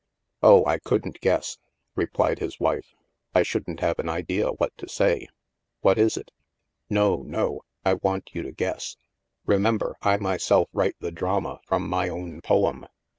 " Oh, I couldn't guess," replied his wife. " I shouldn't have an idea what to say. What is it ?"" No, no. I want you to guess. Remember, I myself write the drama from my own poem.